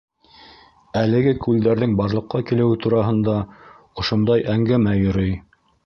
Әлеге күлдәрҙең барлыҡҡа килеүе тураһында ошондай әңгәмә йөрөй.